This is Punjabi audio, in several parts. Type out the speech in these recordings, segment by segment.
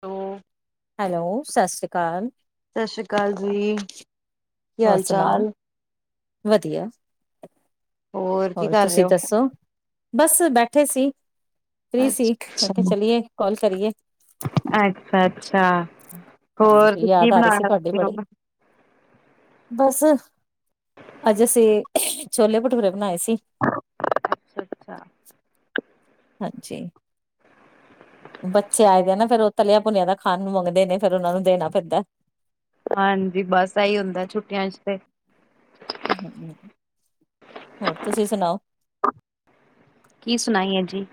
ਤੋ, ਹੈਲੋ, ਸਤਿ ਸ਼੍ਰੀ ਅਕਾਲ, ਸਤਿ ਸ੍ਰੀ ਅਕਾਲ ਜੀ, ਕੀ ਹੋਰ ਹਾਲ- ਸੁਣਾਓ? ਚਾਲ। ਵਧੀਆ। ਕੀ ਹੋਰ ਕਰ ਰਹੇ ਤੁਸੀਂ ਹੋ ਦੱਸੋ ਬਸ ਬੈ ਉੱਠੇ ਸੀ। ਫਰੀ ਸੀ ਮੈ ਕਿਹਾ ਚਲੀਏ। ਕਾੱਲ ਕਰੀਏ। ਅੱਛਾ-ਅੱਛਾ ਹੋਰ ਹਾਂਜੀ, ਤੁਂ ਕੀ ਯਾਦ ਆ ਰਹੀ ਸੀ ਬਣਾਣਾ ਤੁਹਾਡੀ ਬੜੀ। ਬਸ, ਅੱਜ ਅਸੀਂ ਛੋਲੇ ਭਟੂਰੇ ਬਣਾਏ ਸੀ। ਅੱਛਾ ਹਾਂਜੀ, ਬੱਚੇ ਆਏ ਦੇ ਆ ਨਾ ਫਿਰ ਉਹ ਤਲਿਆ ਭੁਨਿਆ ਦਾ ਖਾਣ ਮੰਗਦੇ ਨੇ ਫੇਿਰ ਉਹਨਾ ਨੂੰ ਦੇਣਾ ਪੈਂਦਾ। ਹਾਂਜੀ, ਬਸ ਇਹੀ ਹੁੰਦਾ ਛੁੱਟੀਆਂ ਚ ਤੇ। ਹੂੰ, ਹੋਰ ਤੁਸੀਂ ਸੁਣਾਓ। ਕੀ ਸੁਣਾਈ ਏ ਜੀ।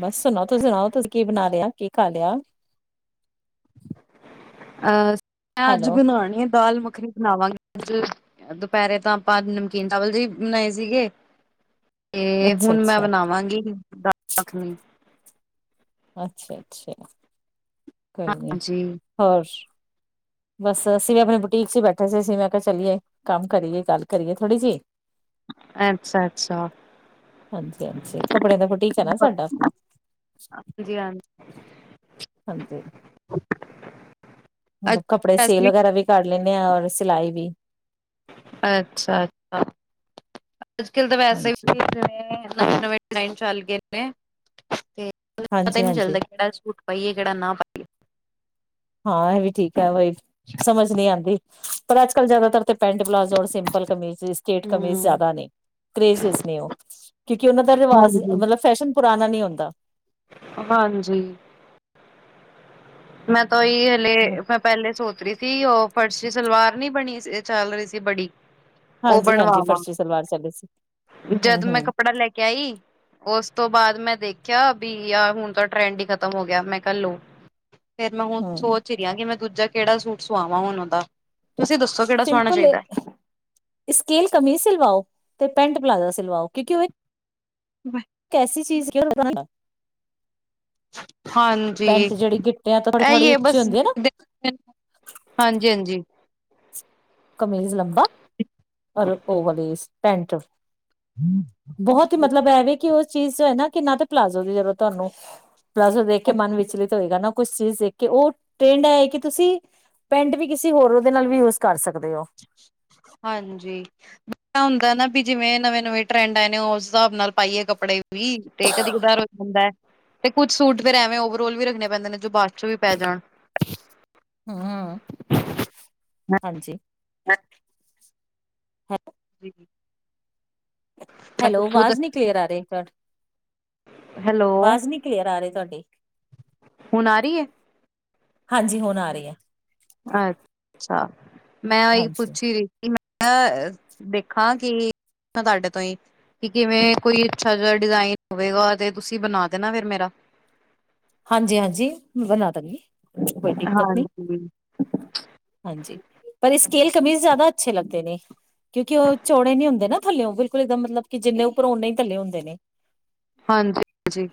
ਬਸ ਸੁਣਾਓ ਤੁਸੀਂ ਬਸ ਕੀ ਬਣਾ ਲਿਆ ਕੀ ਖਾ ਲਿਆ? ਆਸ ਮੈਂ ਅੱਜ ਹੈਲੋ, ਬਣਾਉਣੀ ਆ ਦਾਲ ਮਖਣ ਕੜੀ ਬਣਾਵਾਂਗੇ ਅੱਜ ਦੁਪਹਿਰੇ ਤਾਂ ਆਪਾਂ ਨਮਕੀਨ ਚਾਵਲ ਜੇ ਬਣਾਏ ਸੀਗੇ। ਤੇ ਹੁਣ ਮੈਂ ਅੱਛਾ-ਅੱਛਾ, ਬਣਾਵਾਂਗੀ ਦਾਲ ਮੱਖਣੀ। ਅੱਛਾ- ਅੱਛਾ। ਕੋਈ ਨਹੀਂ, ਹਾਂਜੀ ਹੋਰ। ਬਸ-ਬਸ ਅਸੀਂ ਵੀ ਆਪਣੇ ਬੁਟੀਕ ਚ ਬੈਠੇ ਸੀ ਅਸੀਂ ਮੈਂ ਆ ਚਲੀਏ ਕੰਮ ਕਰੀਏ, ਗੱਲ ਕਰੀਏ ਥੋੜ੍ਹੀ ਜਿਹੀ। ਅੱਛਾ ਅੱਛਾ ਹਾਂਜੀ-ਹਾਂਜੀ, ਕੱਪੜੇ ਦਾ ਫੁਟੀਕ ਹੈ ਨਾ ਸਾਡਾ ਆਪਣਾ, ਹਾਂਜੀ ਹਾਂਜੀ। ਹ ਕੱਪੜੇ ਸੇਲ ਵਗੈਰਾ ਵੀ ਕਰਦੇ ਕਰ ਲੈਂਦੇ ਹਾਂ ਔਰ ਸਿਲਾਈ ਵੀ। ਅੱਛਾ- ਅੱਛਾ। ਅੱਜ-ਕੱਲ੍ਹ ਤਾਂ ਵੈਸੇ ਹਾਂਜੀ ਵੀ ਨਵੇਂ-ਨਵੇਂ ਡਿਜ਼ਾਇਨ ਚੱਲ ਗਏ। ਮੈਂ ਤੇ ਮਤਲਬ, ਪਤਾ ਹਾਂਜੀ ਹੀ ਨਹੀਂ ਹਾਂਜੀ ਚੱਲਦਾ ਕਿਹੜਾ ਸੂਟ ਪਾਈਏ, ਕਿਹੜਾ ਨਾ ਪਾਈਏ। [inaudible] ਹਾਂ, ਇਹ ਵੀ ਠੀਕ ਹੈ ਬਈ ਸਮਝ ਨਹੀਂ ਆਉਂਦੀ। ਪਰ ਅੱਜ ਕੱਲ੍ਹ ਜ਼ਿਆਦਾਤਰ ਪੈਂਟ, ਪਲਾਜੋ ਔਰ ਸਿੰਪਲ ਕਮੀਜ਼, ਸਟੇਟ ਪਾਈਏ ਕਮੀਜ਼ ਹੂੰ ਜ਼ਿਆਦਾ ਨੇ ਕਰੇਜ ਵਿਚ ਨੇ ਔ, ਕਿਉਂਕਿ ਉਹ ਦਾ ਰਿਵਾਜ਼ ਹਾਂਜੀ ਮਤਲਬ ਫੈਸ਼ਨ ਪੁਰਾਣਾ ਨੀ ਹੁੰਦਾ। ਹਾਂਜੀ। ਮੈਂ ਉਹੀ ਹਲੇ ਮੈਂ ਪਹਿਲੇ ਸੋਚ ਰਹੀ ਸੀ। ਕੀ ਉਹ ਫੜਸੀ ਸਲਵਾਰ ਨੀ ਬਣੀ ਚੱਲ ਰਹੀ ਸੀ ਬੜੀ। ਉਹ ਹਾਂਜੀ ਹਾਂਜੀ ਬਣਵਾਵਾਂ, ਫਰਸ਼ੀ ਸਲਵਾਰ ਚੱਲੇ ਸੀ ਹਮ ਜਦ ਹਮ ਮੈਂ ਕੱਪੜਾ ਲੈ ਕੇ ਆਈ ਉਸ ਤੋਂ ਬਾਅਦ ਮੈਂ ਦੇਖਿਆ ਵੀ ਯਾਰ ਹੁਣ ਤਾਂ ਟਰੈਂਡ ਹੀ ਖ਼ਤਮ ਹੋ ਗਿਆ ਮੈਂ ਕਿਹਾ ਲੋ। ਫੇਰ ਮੈਂ ਹੁਣ ਹਮ ਸੋਚ ਰਹੀ ਹਾਂ ਕਿ ਮੈਂ ਦੂਜਾ ਕਿਹੜਾ ਸੂਟ ਸਵਾਵਾਂ ਹੁਨ ਉਹਦਾ। ਤੁਸੀਂ ਦੱਸੋ ਕਿਹੜਾ ਸਵਾਣਾ ਸਿੰਪਲ ਹੋਏ, ਚਾਹੀਦਾ ਸਕੇਲ ਕਮੀਜ਼ ਸਿਲਵਾਓ ਤੇ ਪੈਂਟ ਪਲਾਜੋ ਸ ਸਿਲਵਾਓ ਕਿਉਂਕਿ ਕੈਸੀ ਚੀਜ਼ [inaudible] ਸਕੇਲ ਹਾਂਜੀ, ਪੈਂਟ ਜਿਹੜੀ ਗਿੱਟਿਆਂ ਤੋਂ ਥੋੜੀ ਥੋੜੀ ਇਹੀ ਹੈ ਉੱਚੀ ਬਸ ਹੁੰਦੀ ਨਾ [inaudible] ਹਾਂਜੀ ਹਾਂਜੀ ਕਮੀਜ਼ ਲੰਬਾ। ਪਰ ਓਵਰ ਡੇਜ ਪੈਂਟ। ਬਹੁਤ ਹੀ ਹਾਂਜੀ ਮਤਲਬ ਐਵੇ ਕਿ ਉਸ ਚੀਜ਼ ਹੈ ਨਾ ਕਿ ਨਾ ਤੇ ਪਲਾਜ਼ੋ ਦੀ ਜਗ੍ਹਾ ਤੇ ਤੁਹਾਨੂੰ ਪਲਾਜ਼ੋ ਵੇਖ ਕੇ ਹਾਂਜੀ ਮਨ ਵਿਚਲਿਤ ਹੋਏਗਾ ਨਾ ਕੁਛ ਚੀਜ਼ ਦੇਖ ਕੇ, ਉਹ ਟ੍ਰੈਂਡ ਇਹ ਕਿ ਤੁਸੀਂ ਪੈਂਟ ਵੀ ਕਿਸੇ ਹੋਰ ਉਹਦੇ ਨਾਲ ਵੀ ਯੂਜ ਕਰ ਸਕਦੇ ਹੋ। ਹਾਂਜੀ [inaudible] ਇਹਦਾ ਨਾ ਵੀ ਜਿਵੇਂ ਨਵੇਂ ਨਵੇਂ ਟਰੈਂਡ ਆਏ ਨੇ ਉਸ ਹਿਸਾਬ ਨਾਲ ਪਾਈਏ ਕੱਪੜੇ ਵੀ। ਵੀਹ ਤੇ ਕਦੀ ਕਧਾਰ ਹੋ ਜਾਂਦਾ। ਤੇ ਕੁੱਝ ਸੂਟ ਫਿਰ ਐਵੇਂ ਓਵਰਆਲ ਵੀ ਰੱਖਣੇ ਪੈਂਦੇ ਨੇ ਜੋ ਬਾਅਦ ਚੋਂ ਵੀ ਪੈ ਜਾਣ। ਹਾਂ, ਹਾਂਜੀ। [unintelligible] ਹਾਂਜੀ ਮੈਂ ਹੈਲੋ, ਖੁਦ ਆਵਾਜ਼ ਨੀ ਕਲੀਅਰ ਆ ਰਹੀ ਤੁਹਾਡ, ਹੈਲੋ ਆਵਾਜ਼ ਨੀ ਕਲੀਅਰ ਆ ਰਹੀ ਤੁਹਾਡੀ। ਠੀਕ। ਹੁਣ ਆ ਰਹੀ ਏ। ਹਾਂਜੀ, ਹੁਣ ਆ ਰਹੀ ਏ। ਅੱਛਾ, ਮੈਂ ਉਹੀ ਹਾਂਜੀ ਪੁੱਛੀ ਰਹੀ ਸੀ। ਮੈਂ ਦੇਖਾਂ ਕਿ ਤੁਹਾਡੇ ਤੋਂ ਹੀ ਕਿ ਕਿਵੇਂ ਕੋਈ ਅੱਛਾ ਜਹਾ ਡਿਜਾਇਨ ਹੋਵੇਗਾ ਤੇ ਤੁਸੀਂ ਬਣਾ ਦੇਣਾ ਫਿਰ ਮੇਰਾ। ਹਾਂਜੀ ਹਾਂਜੀ, ਬਣਾ ਦਾਂਗੀ। ਕੋਈ ਦਿੱਕਤ ਨਹੀਂ, ਹਾਂਜੀ ਹਾਂਜੀ ਪਰ ਇਸ ਕੇਲ ਕਮੀਜ਼ ਜ਼ਿਆਦਾ ਅੱਛੇ ਲੱਗਦੇ ਨੇ ਕਿਉਂਕਿ ਉਹ ਚੌੜੇ ਨੀ ਹੁੰਦੇ ਨਾ ਥੱਲੇਓ ਬਿਲਕੁਲ ਦਾ ਮਤਲਬ ਕਿ ਜਿੰਨੇ ਉੱਪਰ ਉਨੇ ਹੀ ਥੱਲੇ ਹੁੰਦੇ ਨੇ। ਹਾਂਜੀ ਹਾਂਜੀ।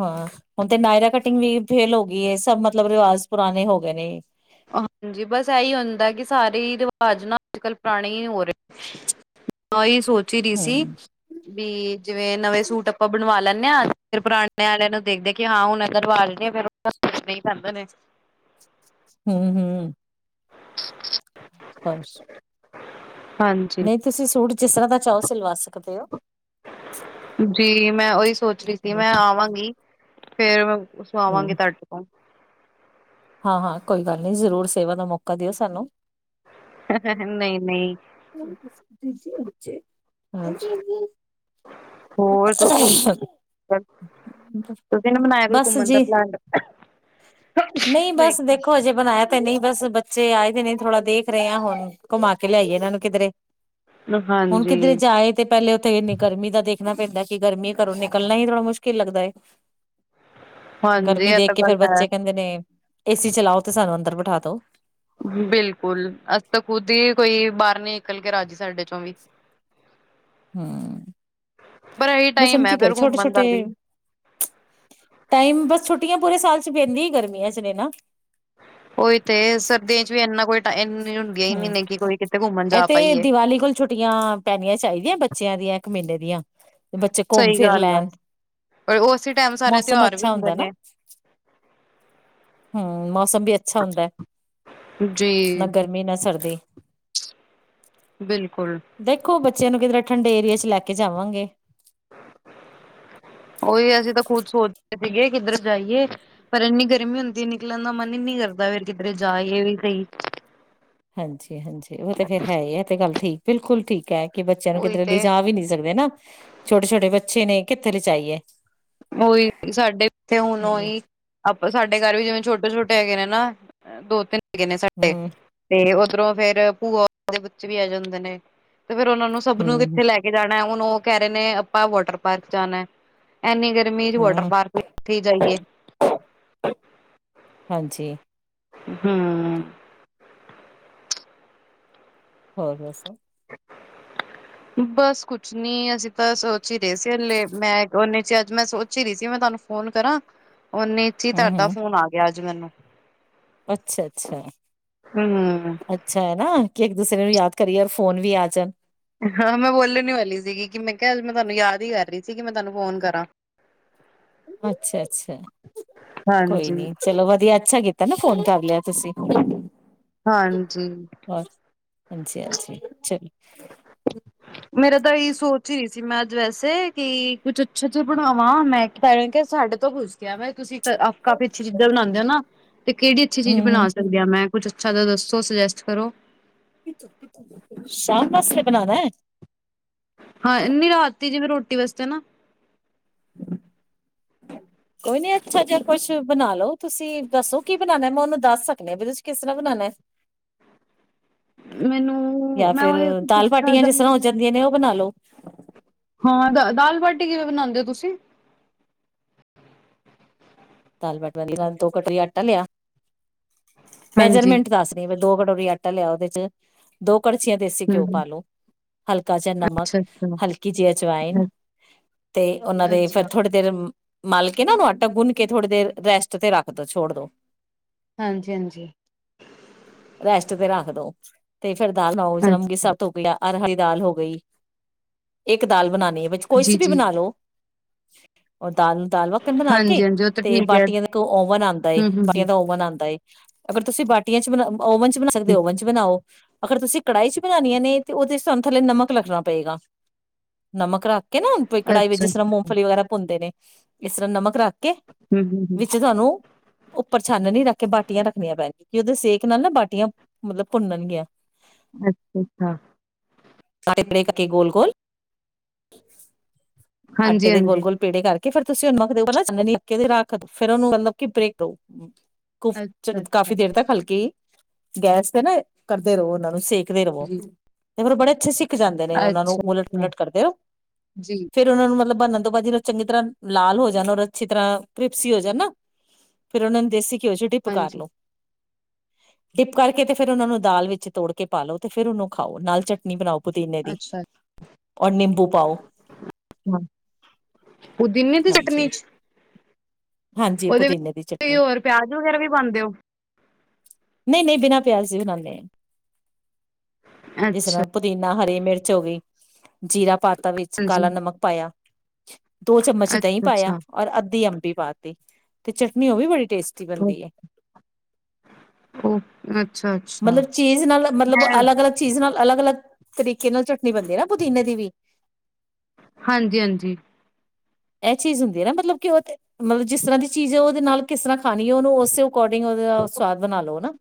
ਹਾਂ ਹੁਣ ਤੇ ਨਾਯਰ ਕਟਿੰਗ ਵੀ ਫੇਲ ਹੋ ਗਈ। ਸਭ ਮਤਲਬ ਰਿਵਾਜ਼ ਪੁਰਾਣੇ ਹੋ ਗਏ ਨੇ। ਹਾਂਜੀ, ਬਸ ਇਹੀ ਹੁੰਦਾ ਕਿ ਸਾਰੇ ਰਿਵਾਜ ਨਾ ਅੱਜ ਕੱਲ ਪੁਰਾਣੇ ਹੋ ਰਹੇ [inaudible] ਸੋਚ ਹੀ ਰਹੀ ਸੀ ਹਮ ਬੀ ਜਿਵੇਂ ਨਵੇਂ ਸੂਟ ਆਪਾਂ ਬਣਵਾ ਲੈ ਨੇ ਆ। ਫਿਰ ਪੁਰਾਣੇ ਆਲਿਆਂ ਨੂੰ ਦੇਖ ਦੇਖ ਕਿ ਹਾਂ ਹੁਣ ਇਦਾ ਰਿਵਾਜ਼ ਨਹੀਂ ਫਿਰ ਸੁਟਣੇ ਪੈਂਦੇ ਨੇ। ਹੂੰ ਹੂੰ। [unintelligible] ਹਾਂਜੀ ਨਹੀਂ ਤੁਸੀ ਸੂਟ ਜਿਸ ਤਰਾਂ ਦਾ। ਚਾਹੋ ਸਲਵਾ। ਜੀ ਮੈਂ ਓਹੀ ਸੋਚ ਰਹੀ ਸੀ ਮੈਂ ਹਮ ਆਵਾਂਗੀ ਫੇਰ [unintelligible] ਆਵਾਂਗੇ ਤੁਹਾਡੇ ਤੋਂ। ਹਾਂ, ਹਾਂ ਕੋਈ ਗੱਲ ਨੀ, ਜ਼ਰੂਰ ਸੇਵਾ ਦਾ ਮੌਕਾ ਦਿਓ ਸਾਨੂੰ। ਨਹੀਂ ਨਹੀਂ ਹੋਰ ਤੁਸੀਂ ਤੁਸੀਂ ਨਾ ਬਣਾਇਆ [unintelligible] ਕੋਈ ਬਸ ਘੁੰਮਣ ਦਾ ਜੀ। ਪਲਾਨ ਨਈ ਬਸ ਦੇਖੋ ਹਜੇ ਬਨਾਇਆ ਤੇ ਨਈ ਬਸ ਬੱਚੇ ਆਏ ਦੇ ਨੇ ਥੋੜਾ ਦੇਖ ਰਹੇ ਆ ਹੁਨ, ਕੁਮਾ ਕੇ ਲਿਆਈਏ ਇਹਨਾਂ ਨੂੰ ਕਿਧਰੇ ਹੁਨ ਕਿਧਰੇ ਹਾਂਜੀ ਜਾਏ ਤੇ ਪਹਿਲੇ ਉਥੇ [unintelligible] ਗਰਮੀ ਦਾ [unintelligible] ਕੀ ਗਰਮੀ ਘਰੋਂ ਨਿਕਲਨਾ ਇ ਥੋੜਾ ਮੁਸ਼ਕਿਲ ਲੱਗਦਾ ਏ। ਹਾਂਜੀ ਗਰਮੀ ਏਹ ਦੇਖ ਫੇਰ ਬੱਚੇ ਕਹਿੰਦੇ ਨੇ ਏਸੀ ਚਲਾਓ ਤੇ ਸਾਨੂੰ ਅੰਦਰ [unintelligible] ਬਿਲਕੁਲ, ਅਸੀ ਤਾ ਖੁਦ ਹੀ ਕੋਈ ਬਾਰ ਨਈ ਨਿਕਲ ਕੇ ਰਾਜੀ ਸਾਡੇ ਚੋਂ ਵੀ ਪਰ ਇਹੀ ਮੌਸਮ ਟਾਈਮ ਹੈ ਕੀ ਕਰੇ ਫੇਰ ਘੁੰਮਣ ਦਾ ਛੋਟੇ-ਛੋਟੇ, ਵੀ ਟਾਈਮ ਬਸ ਛੁਟੀਆਂ ਪੂਰੇ ਸਾਲ [unintelligible] ਗਰਮੀਆ ਚ ਨੇ ਨਾਂ ਉਹੀ ਤੇ ਸਰਦੀਆਂ ਚ [unintelligible] ਨੀ ਨੇ ਕਿ ਕੋਈ ਕਿਤੇ ਘੁੰਮਣ ਏਹ ਜਾ ਤੇ ਪਾਈਏ ਦਿਵਾਲੀ ਕੋਲ ਛੁੱਟੀਆਂ ਪੈਨੀਆਂ ਚਾਹੀਦੀਆਂ ਬੱਚਿਆਂ ਦੀਆਂ ਮੇਲੇ ਦੀਆਂ ਬੱਚੇ ਘੁੰਮ ਸਹੀ ਫੇਰ ਗੱਲ ਹੈ ਲੈਨ, ਪਰ ਉਸੇ ਟਾਈਮ ਸਾਰੇ ਮੌਸਮ ਤਿਉਹਾਰ ਵੀ ਅੱਛਾ ਹੁੰਦੇ ਹੁੰਦਾ ਨਾ ਨੇ ਮੌਸਮ ਵੀ ਅੱਛਾ [unintelligible] ਏ। ਜੀ। [unintelligible] ਬਿਲਕੁਲ ਦੇਖੋ ਬੱਚਿਆਂ ਕਿਧਰੇ ਠੰਡੇ ਏਰੀਆ ਚ ਲੈ ਕੇ ਜਾਵਾਂਗੇ। ਓਹੀ ਅਸੀ ਤਾ ਖੁਦ ਸੋਚ ਰੇ ਸੀਗੇ ਕਿੱਧਰ ਜਾਈਏ ਪਰ ਏਨੀ ਗਰਮੀ ਗਰਮੀ ਹੁੰਦੀ ਨਿਕਲਨ ਦਾ ਮਨ ਹੀ ਨਹੀਂ ਕਰਦਾ ਫੇਰ ਕਿਧਰੇ ਜਾਈਏ ਵੀ ਸਹੀ ਹਾਂਜੀ-ਹਾਂਜੀ ਉਹ ਤੇ ਫੇਰ ਹੈ ਹੀ ਏ ਤੇ ਗੱਲ ਠੀਕ ਬਿਲਕੁਲ ਠੀਕ ਹੈ। ਕਿ ਬੱਚਿਆਂ ਨੂੰ ਉਹੀ ਕਿਧਰੇ ਤੇ ਲਿਜਾ ਵੀ ਨਈ ਸਕਦੇ ਨਾ, ਛੋਟੇ ਛੋਟੇ [unintelligible] ਕਿੱਥੇ ਲਜਾਈ ਏ ਕੋਈ ਸਾਡੇ ਤੇ, ਹੁਣ ਉਹੀ ਸਾਡੇ ਘਰ ਵੀ, ਜਿਵੇਂ ਛੋਟੇ- ਛੋਟੇ ਹੈਗੇ ਨੇ, ਨਾ ਦੋ, ਤਿੰਨ ਕਿੰਨਾ ਸੰਡੇ ਹੂੰ, ਡੇਵ ਆ ੳਦਰੋ, ਫਿਰ ਭੂਆ ਦੇ ਬੱਚ ਵੀ ਆ। ਜਾਂਦੇ ਨੇ ਤੇ, ਫਿਰ ਉਹਨਾਂ ਨੂੰ ਸਭ ਨੂੰ ਹੂੰ, ਕਿੱਥੇ ਲੈਕੇ ਜਾਣ ਮੈਂ, ਹੁਣ ਉਹ ਕਹਿ ਰਹੇ ਨੇ, ਅੱਬਾ ਵਾਟਰ ਪਾਰਕ ਜਾਣਾ। ਐਨੀ ਗਰਮੀ ਚ ਵਾਟਰ ਹੂੰ ਪਾਰਕ ਹੀ ਜਾਈਏ। ਹਾਂਜੀ ਹਮ ਹੋਰ ਦੱਸੋ? ਬਸ ਕੁਛ ਨਹੀਂ, ਅਸੀਂ ਤਾਂ ਸੋਚ ਵੀ ਰਹੇ ਸੀ, ਮੈਂ ਉਨੇ ਚ ਅੱਜ ਮੈਂ ਸੋਚ ਹੀ ਰਹੀਂ ਸੀ, ਮੈਂ ਤੁਹਾਨੂੰ ਫੋਨ ਕਰਾਂ। ਉਨੇ ਚ, ਹੀ ਹੂੰ, ਤੁਹਾਡਾ ਹੂੰ ਫੋਨ ਆ ਗਿਆ। ਤਨੂੰ ਅੱਛਾ, ਅੱਛਾ, ਹੂੰ। ਅੱਛਾ ਹੈ ਨਾ, ਕਿ ਇੱਕ ਦੂਸਰੇ ਨੂੰ ਯਾਦ ਕਰੀਏ ਅਰ, ਫੋਨ ਵੀ ਆ ਜਾਣ ਹਾਂ, ਮੈਂ ਬੋਲਣ ਵਾਲੀ ਸੀਗੀ, ਕਿ ਮੈਂ ਕਿਹਾ ਮੈਂ ਤੁਹਾਨੂੰ ਯਾਦ ਹੀ ਕਰ ਰਹੀ ਸੀ, ਗੀ, ਮੈਂ ਤੁਹਾਨੂੰ ਫੋਨ ਕਰਾਂ। ਅੱਛਾ- ਅੱਛਾ, ਕੋਈ ਹਾਂਜੀ। ਨੀ ਚਲੋ, ਵਧੀਆ ਅੱਛਾ ਕੀਤਾ ਨਾ, ਫੋਨ ਕਰ ਲਿਆ ਤੁਸੀਂ ਹਾਂਜੀ। ਹੋਰ ਹਾਂਜੀ, ਹਜੀ, ਚਲੋ। ਮੇਰਾ ਤਾਂ ਇਹੀ ਸੋਚ ਹੀ ਰਹੀ ਮੈਂ ਅੱਜ ਵੈਸੇ ਕਿ, ਕੁਛ ਅੱਛਾ ਜਾ ਬਣਾਵਾਂ, ਮੈਂ ਕਿਹਾ ਸਾਡੇ ਤੋਂ ਪੁਸ਼ ਕੇ ਆਵਾਂ, ਤੁਸੀਂ ਕਾਫੀ ਅੱਛੀ ਚੀਜ਼ਾਂ ਬਣਾਉਦੇ ਹੋ ਨਾ। ਤੇ, ਕਿਹੜੀ ਅੱਛੀ ਚੀਜ਼ ਹੂੰ, ਬਣਾ ਹੂੰ ਸਕਦੇ ਆ, ਮੈਂ ਕੁੱਛ ਅੱਛਾ ਤਾਂ, ਦੱਸੋ ਸੁਜੈਸਟ ਕਰੋ। ਸ਼ਾਮ ਵਾਸਤੇ ਬਣਾਉਣਾ ਆ। ਹਾਂ, ਨੀ ਰਾਤੀ ਜਿਵੇਂ ਰੋਟੀ ਵਸਤੇ ਨਾ ਕੋਈ ਨੀ ਅੱਛਾ ਜਿਹਾ ਕੁਛ ਬਣਾ ਲੋ, ਤੁਸੀਂ ਦੱਸੋ ਕੀ ਬਨਾਲੋ, ਮੈਂ ਉਹਨੂੰ ਦੱਸ ਸਕਦੀ ਆ ਵੀ ਤੁਸੀਂ ਕਿਸ ਤਰ੍ਹਾਂ ਬਨਾਨਾ। ਮੈਨੂੰ ਜਾਂ ਮੈਂ ਫਿਰ ਉਹ ਦਾਲ ਪੁੱਛਣਾ ਬਾਟੀਆਂ ਜਿਸ ਚਾਹੁੰਦੀ ਤਰ੍ਹਾਂ ਹੋ ਜਾਂਦੀਆਂ ਨੇ, ਉਹ ਬਣਾ ਲੋ। ਹਾਂ, ਦ ਦਾਲ ਬਾਟੀ ਕਿਵੇਂ ਬਣਾਉਂਦੇ ਹੋ ਤੁਸੀਂ? ਦਾਲ ਬਾਟੀ ਨਾਲ ਦੋ ਕਟੋਰੀ ਆਟਾ ਲਿਆ ਹਾਂਜੀ ਮੇਜਰਮੈਂਟ ਦੱਸ ਰਹੀ ਦੋ, ਕਟੋਰੀ ਆ ਟਾ ਲਿਆ, ਉਹਦੇ ਚ ਦੋ ਕੜਚੀਆਂ ਦੇਸੀ ਹਮ ਘਿਉ ਹਮ, ਪਾ ਲਉ, ਹਲਕਾ ਜਿਹਾ ਨਮਕ ਅੱਛਾ ਅੱਛਾ ਹਲਕੀ ਜਿਹੀ ਅਜਵਾਇਨ ਅ- ਤੇ, ਉਹਨਾਂ ਦੇ ਫਿਰ ਅੱਛਾ ਥੋੜ੍ਹੀ ਦੇਰ ਮਾਲ ਕੇ ਨਾ, ਉਹਨੂੰ ਆਟਾ ਗੁੰਨ ਕੇ, ਥੋੜੀ ਦੇਰ ਰੈਸਟ ਤੇ ਰੱਖ ਦੋ ਛੋੜ ਦੋ ਹਾਂਜੀ, ਹਾਂਜੀ। ਰੈਸਟ ਤੇ ਰੱਖ ਦੋ ਤੇ ਫੇਰ ਦਾਲ ਹਾਂ, [unintelligible] ਸਬ ਧੋਕੇ ਲਿਆ ਅਰ ਹਲੀ ਦਾਲ ਹੋ ਗਈ, ਇੱਕ ਇੱਕ ਦਾਲ ਬਣਾਣੀ ਆ, ਵਿੱਚ ਕੋਈ ਜੀ ਸੀ ਵੀ ਜੀ ਬਣਾਲੋ। ਅ ਦਾਲ ਦਾਲ ਮੱਖਣ ਬਣਾ ਹਾਂਜੀ ਕੇ ਹਾਂਜੀ ਉਹ ਤਾਂ ਤੇ ਠੀਕ ਹੈ ਬਾਟੀਆਂ ਦਾ ਇਕ ਓਵਨ ਆਦਾ ਏ, ਹਮ ਹਮ ਬਾਟੀਆਂ ਹਮ, ਦਾ ਓਵਨ ਆਦਾ। ਅਗਰ ਤੁਸੀਂ ਬਾ ਟੀਆਂ ਚ ਬ ਓਵਨ ਚ ਬਣਾ ਸਕਦੇ ਹਮ, ਔ ਓਵਨ ਚ ਬਣਾਓ। ਅਗਰ ਤੁਸੀਂ ਕੜਾਹੀ ਚ ਬਣਾਨੀਆਂ ਨੇ ਤੇ, ਉਹਦੇ ਸਾਨੂੰ ਥੱਲੇ ਨਮਕ ਲੱਗਣਾ ਪਏਗਾ ਨਮਕ ਰੱਖ ਕ ਨਾ ਵਹੀ ਕੜਾਈ ਵਿੱਚ ਅੱਛਾ ਜਿਸ ਤਰ੍ਹਾਂ ਹਮ ਮੂੰਗਫਲੀ ਵਗੈਰਾ ਭੁੰਨ ਦੇ ਨੇ ਇਸ ਤਰਾ ਨਮਕ ਰੱਖ ਕੇ ਹਮ ਹਮ, ਵਿੱਚ ਤੁਹਾਨੂੰ ਉਪਰ ਛਾਨਣੀ ਰੱਖ ਕੇ ਬਾਟੀਆ ਰੱਖਣੀਆਂ ਪੈਣ ਗਿਆਂ ਕਿ ਉਹਦੇ ਸੇਕ ਨਾਲ ਨਾ ਬਾਟੀਆ ਮਤਲਬ ਭੁੰਨਣ ਗਿਆ। ਅੱਛ-ਅੱਛਾ। ਸਾਰੇ ਪੇੜੈ ਕਰਕੇ ਗੋਲ-ਗੋਲ, ਹਾਂਜੀ ਆਟੇ ਦੇ ਹਾਂਜੀ ਗੋਲ-ਗੋਲ ਪੇੜੇ ਕਰਕੇ ਕਿ ਫੇਰ ਤੁਸੀਂ ਉਹਨੂੰ ਰੱਖ ਦਿਓ ਨਾ ਛਾਨਣੀ ਚ ਰੱਖ ਫਿਰ ਉਹਨੂੰ ਮਤਲਬ ਕਿ ਬ੍ਰੇਕ ਦਿਓ। ਕੁਫ ਅੱਛਾ ਅੱਛਾ ਕਾਫ਼ੀ ਦੇਰ ਤੱਕ ਹਲਕੀ ਗੈਸ ਤੇ ਨਾ ਕਰਦੇ ਰਹੋ ਉਹਨਾਂ ਨੂੰ ਸੇਕ ਦੇ ਰਵੋ। ਜੀ ਮਗਰੋਂ ਬੜੇ [unintelligible] ਜਾਂਦੇ ਨੇ ਉਹਨਾਂ ਨੂੰ ਅੱਛਾ ਉਲਟ ਅੱਛਾ ਪਲਟ ਕਰਦੇ ਹੋ ਜੀ ਫੇਰ ਉਹਨਾਂ ਨੂੰ ਮਤਲਬ ਬਣਨ ਤੋਂ ਬਾਅਦ ਜਦੋ ਚੰਗੀ ਤਰ੍ਹਾਂ ਲਾਲ ਹੋ ਜਾਣ ਔਰ ਅੱਛੀ ਤਰ੍ਹਾਂ ਕ੍ਰਿਪਸੀ ਹੋ ਜਾਣ ਨਾ ਫੇਰ ਉਹਨਾਂ ਨੂੰ ਦੇਸੀ ਘਿਓ ਚ ਡਿਪ ਕਰ ਹਾਂਜੀ ਲੋ। ਡਿਪ ਕਰਕੇ ਤੇ ਫਿਰ ਉਹਨਾਂ ਨੂੰ ਦਾਲ ਵਿੱਚ ਤੋੜ ਕੇ ਪਾ ਲੋ ਫਿਰ ਉਹਨੂੰ ਖਾਓ ਨਾਲ ਚਟ ਨੀ ਬਣਾਓ। ਪੁਦੀਨੇ ਦੀ, ਅੱਛਾ ਔਰ ਨਿੰਬੂ ਪਾਓ ਪੁਦੀਨੇ ਦੀ ਚਟਨੀ ਹਾਂਜੀ-ਹਾਂਜੀ ਚ, ਉਹਦੇ ਪੁਦੀਨੇ ਦੀ ਵਿੱਚ ਚਟਨੀ ਹੋਰ ਪਿਆਜ ਵਗੈਰਾ ਵੀ ਪਾਦੇ ਔ। ਨਹੀਂ-ਨਹੀਂ ਬਿਨਾਂ ਪਿਆਜ ਦੇ ਬਨਾਨੇ ਆਂ। ਅੱਛਾ, ਪੁਦੀਨਾ, ਹਰੀ ਮਿਰਚ ਹੋ ਗਈ ਜੀਰਾ ਪਾ ਤਾ ਵਿੱਚ ਜੀ ਕਾਲਾ ਨਮਕ ਪਾਇਆ। ਦੋ ਚਮਚ ਦਹੀਂ ਅੱਛਾ ਪਾਇਆ ਅੱਛਾ ਔਰ ਅੱਧੀ ਅੰਬੀ ਪਾ ਤੀ, ਤੇ ਚਟਨੀ ਉਹ ਵੀ ਬੜੀ ਟੇਸਟੀ ਬਣਦੀ ਹੈ, ਓ ਅੱਛਾ ਅੱਛਾ ਮਤਲਬ ਚੀਜ਼ ਨਾਲ ਮਤਲਬ ਮੈਂ ਅਲੱਗ-ਅਲੱਗ ਚੀਜ਼ ਨਾਲ ਅਲੱਗ-ਅਲੱਗ, ਤਰੀਕੇ ਨਾਲ ਚਟਨੀ ਬਣਦੀ ਹੈ ਨਾ ਪੁਦੀਨੇ ਦੀ ਵੀ। ਹਾਂਜੀ-ਹਾਂਜੀ। ਇਹ ਚੀਜ਼ ਹੁੰਦੀ ਹੈ ਨਾ ਮਤਲਬ ਕਿ ਉਹ ਮਤਲਬ ਜਿਸ ਤਰ੍ਹਾਂ ਦੀ ਚੀਜ਼ ਹੈ ਉਹਦੇ ਨਾਲ ਕਿਸ ਤਰ੍ਹਾਂ ਖਾਣੀ ਉਹਨੂੰ ਉਸੇ ਅਕੋਰਡਿੰਗ ਉਹਦਾ ਸਵਾਦ ਬਣਾ ਲਓ ਨਾ। [inaudible]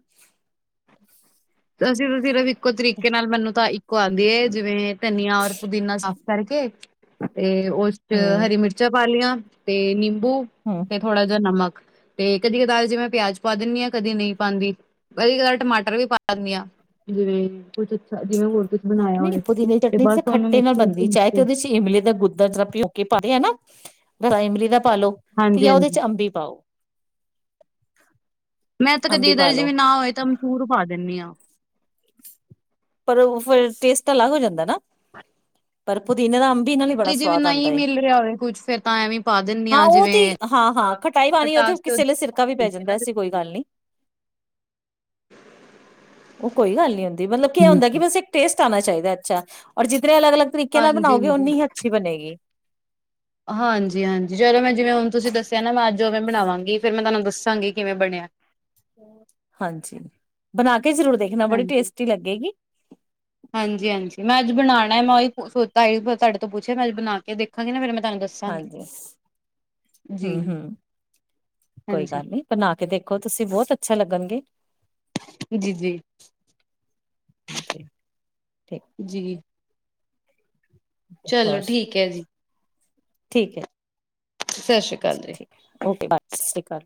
ਅਸੀਂ ਸਿਰਫ਼ ਇੱਕੋ ਤਰੀਕੇ ਨਾਲ ਮੈਨੂੰ ਤਾਂ ਔ ਆਂਦੀ ਹੈ ਜਿਵੇਂ ਨੀਆਂ ਔਰ ਪੁਦੀਨਾ ਕਰ ਕੇ ਤੇ ਉਸ ਚ ਹਮ ਹਰੀ ਮਿਰਚਾਂ ਪਾ ਲਈਆਂ ਤੇ ਨਿ ਬੂ ਹਮ ਤੇ ਥੋੜਾ ਜਿਹਾ ਨਮਕ ਤੇ ਕਦੀ ਕਦਾਰ ਜਿਵੇਂ ਪਿਆਜ ਪਾ ਦਿੰਦੀ ਹਾਂ ਕਦੀ ਨਹੀਂ ਪਾਉਂਦੀ ਕਦੀ ਕਦਾਰ ਟਮਾਟਰ ਵੀ ਪਾ ਕਰਦੀ ਹ ਜਿਵੇਂ ਕੁਛ ਅੱਛਾ ਜਿਵੇਂ ਹੋਰ ਤੁ ਨਹੀਂ, ਪੁਦੀਨਾ ਚਟਨੀ ਤੇ ਖੱਟੇ ਨਾਲ ਚ ਬਣਦੀ ਪੀਸ ਚਾਹੇ ਤੇ ਕੇ। ਉਹਦੇ ਚ ਇਮਲੀ ਦਾ ਗੁੱਦਾ ਜਰਾ ਪਿਉ ਕੇ ਪਾਦੇ ਹੈਨਾ। ਬਸ ਇਮਲੀ ਦਾ ਪਾਾਲਓ ਤੇ ਹਾਂਜੀ ਜਾਂ ਉਹਦੇ, ਹਾਂਜੀ ' ਅੰਬੀ ਪਾਓ। ਮੈਂ ਤਾਂ ਅੰਬੀ ਕਦੀ-ਕਤਾਰ ਪਾ ਲੋ ਜਿਵੇਂ ਨਾ ਹੋਏ ਤਾਂ ਮਸ਼ਹੂਰ ਪਾ ਦਿੰਦੀ ਹਾਂ। ਪਰ ਫਿਰ ਟੇਸਟ ਤਾਂ ਅਲੱਗ ਹੋ ਜਾਂਦਾ ਨਾ ਪਰ ਪੁਦੀਨੇ ਦਾ ਅ ਪੁਦੀਨਾਂ ਹੀ ਬੜਾ ਤੇ ਜਿਵੇਂ ਸਵਾਦ ਆਉਂਦਾ ਨਹੀਂ ਮਿਲ ਰਿਹਾ ਹੋਵੇ ਕੁੱਝ ਫੇਰ ਤਾਂ ਐਵੇਂ ਪਾ ਦਿੰਦੀ ਹਾਂ ਉਹ ਤੇ ਜਿਵੇਂ ਹਾਂ- ਹਾਂ ਖਟਾਈ ਪਾਣੀ ਉਹ ਤੇ ਕਿਸੇ ਵਲੇ ਸਿਰਕਾ ਵੀ ਪੈ ਹੁੰਦੀ ਹੈ ਜਾਂਦਾ ਨਾ ਐ ਜਿਵੇਂ ਕੋਈ ਥੋੜੀ ਗੱਲ ਨੀ। ਉਹ ਕੋਈ ਗੱਲ ਨੀ ਹੁੰਦੀ। ਕੇ ਹੁੰਦਾ ਕਿ ਹਾਂਜੀ ਬਸ ਇੱਕ ਟੇਸਟ ਆਣਾ ਚਾਹੀਦਾ ਅੱਛਾ ਔਰ ਜ ਜਿਨੇ ਅਲੱਗ -ਅਲੱਗ ਤਰੀਕੇ ਨਾਲ ਹਾਂਜੀ ਬਣਾਓਗੇ ਉਨੀ ਹੀ ਅਛੀ ਬਣੇਗੀ। ਹਾਂਜੀ -ਹਾਂਜੀ ਚਲੋ ਮੈਂ ਜਿਵੇਂ ਹੁਣ ਤੁਸੀਂ ਦੱਸਿਆ ਨਾ ਮੈਂ ਅੱਜ ਉਵੇਂ ਬਣਾਵਾਂਗੀ, ਫਿਰ ਮੈਂ ਤੁਹਾਨੂੰ ਦੱਸਾਂਗੀ ਕਿਵੇਂ ਬਣਿਆ। ਹਾਂਜੀ ਬਣਾ ਕੇ ਜ਼ਰੂਰ ਦੇਖਣਾ ਬੜੀ ਹਾਜੀ-ਹਾਂਜੀ- ਟੇਸਟੀ ਲੱਗੇਗੀ ਹਾਂਜੀ, ਮੈਂ ਅੱਜ ਬਣਾਉਣਾ ਮੈਂ ਉਹੀ ਸੋਚ ਤਾਹੀ ਤੁਹਾਡੇ ਤੋਂ ਪੁੱਛਿਆ, ਮੈਂ ਬਣਾ ਕੇ ਦੇਖਾਂਗੀ ਨਾ ਫੇਰ ਮੈਂ ਤੁਹਾਨੂੰ ਦੱਸਾਂਗੀ। ਹਾਂਜੀ ਜੀ। ਹੂੰ- ਹੂੰ ਕੋਈ ਹਾਂਜੀ ਗੱਲ ਨੀ, ਬਣਾ ਕੇ ਦੇਖੋ ਤੁਸੀਂ ਬਹੁਤ ਅੱਛਾ ਲੱਗਣਗੇ। ਜੀ- ਜੀ ਠੀਕ -ਜੀ। ਠੀਕ ਚਲੋ, ਹੋਰ ਠੀਕ ਹੈ ਜੀ। ਠੀਕ ਹੈ। ਸਤਿ ਸ਼੍ਰੀ ਅਕਾਲ ਜੀ। ਠੀਕ ਓਕੇ ਬਸ ਸਤਿ ਸ਼੍ਰੀ ਅਕਾਲ।